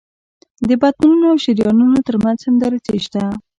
د بطنونو او شریانونو تر منځ هم دریڅې شته.